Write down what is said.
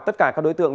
tất cả các đối tượng